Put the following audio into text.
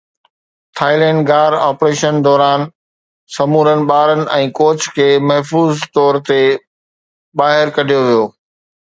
Thailand غار operation دوران سمورن ٻارن ۽ ڪوچ کي محفوظ طور تي ٻاهر ڪڍيو ويو